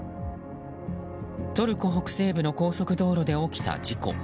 トルコ北西部の高速道路で起きた事故。